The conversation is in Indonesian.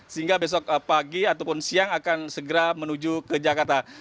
sehingga besok pagi ataupun siang akan segera menuju ke jakarta